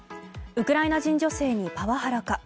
ウクライナ人女性にパワハラか。